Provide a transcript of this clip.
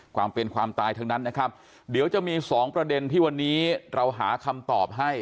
ความเป็นความตายทั้งนั้นนะครับเดี๋ยวจะมีสองประเด็นที่วันนี้เราหาคำตอบให้